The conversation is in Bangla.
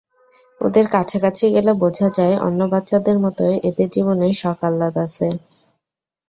ওদের কাছাকাছি গেলে বোঝা যায়, অন্য বাচ্চাদের মতো এদের জীবনেও শখ-আহ্লাদ আছে।